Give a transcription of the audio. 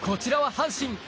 阪神！